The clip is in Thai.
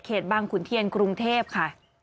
บางขุนเทียนกรุงเทพค่ะ